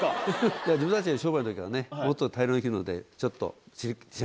自分たちの商売のときはねもっと大量に切るのでちょっと。